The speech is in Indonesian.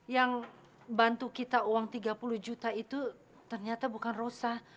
yang bantu kita uang tiga puluh juta itu ternyata bukan rosa